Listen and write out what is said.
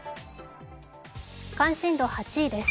関心度８位です。